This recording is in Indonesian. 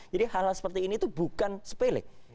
jadi hal hal seperti ini itu bukan sepilik